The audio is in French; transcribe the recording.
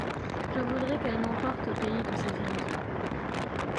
Je voudrais qu’elle m’emporte au pays de ses illusions.